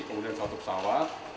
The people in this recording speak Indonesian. kemudian satu pesawat